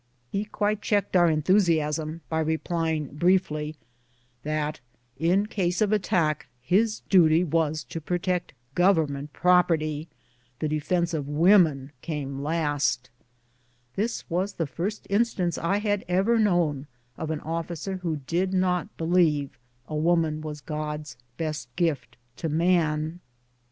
He quite checked our enthusiasm by replying, briefly, "that in case of attack, his duty was to protect Government jprojperty ; the defence of women came lastP This was the first instance I had ever known of an officer who did not believe a woman was God's best gift to man.